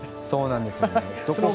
そうなんですよね。